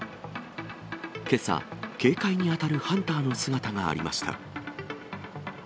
けさ、警戒に当たるハンターの姿がありました。